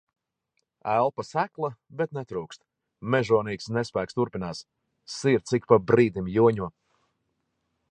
Elpa sekla, bet netrūkst. Mežonīgs nespēks turpinās. Sirds ik pa brīdim joņo...